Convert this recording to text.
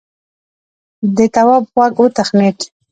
د تواب غوږ وتخڼېد.